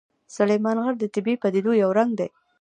سلیمان غر د طبیعي پدیدو یو رنګ دی.